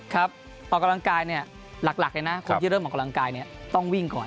ออกกำลังกายเนี่ยหลักเลยนะคนที่เริ่มออกกำลังกายเนี่ยต้องวิ่งก่อน